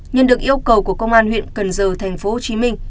nhân được yêu cầu của công an huyện cần giờ thành phố hồ chí minh